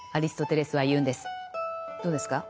どうですか？